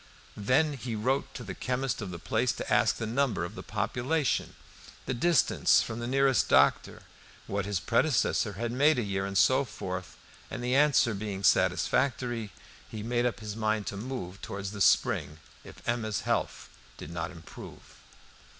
Then he wrote to the chemist of the place to ask the number of the population, the distance from the nearest doctor, what his predecessor had made a year, and so forth; and the answer being satisfactory, he made up his mind to move towards the spring, if Emma's health did not improve.